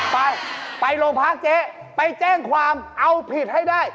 ไปไปโรงพักเจ๊ไปแจ้งความเอาผิดให้ได้